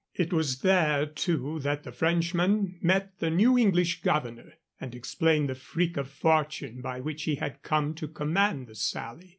It was there, too, that the Frenchman met the new English governor, and explained the freak of fortune by which he had come to command the Sally.